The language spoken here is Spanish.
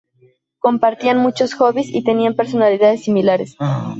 Compartían muchos hobbies y tenían personalidades similares.